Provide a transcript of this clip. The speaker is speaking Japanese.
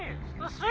あ！